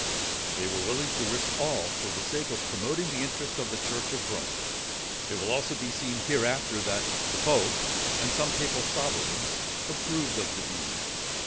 They were willing to risk all for the sake of promoting the interests of the church of Rome. It will also be seen hereafter that the pope, and some papal sovereigns, approved of the deed.